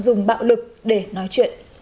dùng bạo lực để nói chuyện